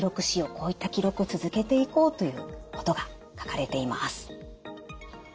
こういった記録を続けていこうということが書かれています。